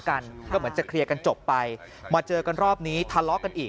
กันก็เหมือนจะเคลียร์กันจบไปมาเจอกันรอบนี้ทะเลาะกันอีก